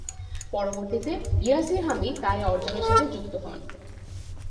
পরবর্তীতে ইয়াসির হামিদ তার এ অর্জনের সাথে যুক্ত হন।